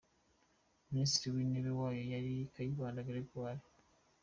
Minisitiri w’intebe wayo yari Kayibanda Geregori.